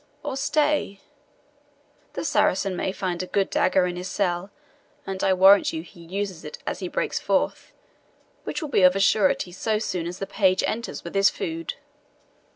Or stay the Saracen may find a good dagger in his cell, and I warrant you he uses it as he breaks forth, which will be of a surety so soon as the page enters with his food."